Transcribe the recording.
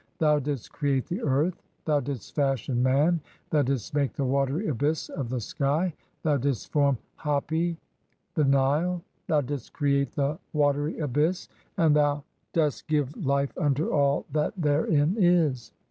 Thou didst create the earth, thou "didst fashion man, (8) thou didst make the watery abyss of the "sky, thou didst form Hapi (/'. e., the Nile), thou didst create the watery "abyss, (9) and thou dost give life unto all that therein is.